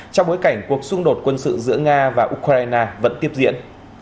trong bối cảnh cuộc xung đột quân sự giữa nga và ukraine vẫn tiếp diễn